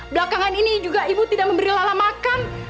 belakangan ini juga ibu tidak memberi lala makam